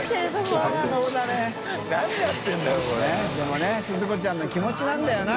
任發鈴子ちゃんの気持ちなんだよな。